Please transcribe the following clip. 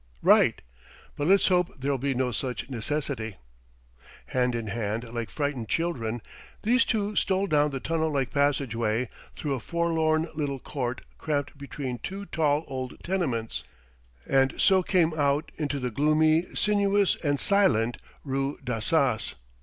"Right! ...But let's hope there'll be no such necessity." Hand in hand like frightened children, these two stole down the tunnel like passageway, through a forlorn little court cramped between two tall old tenements, and so came out into the gloomy, sinuous and silent rue d'Assas.